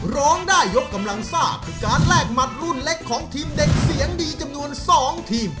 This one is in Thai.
ร้องได้ยกกำลังซ่าคือการแลกหมัดรุ่นเล็กของทีมเด็กเสียงดีจำนวน๒ทีม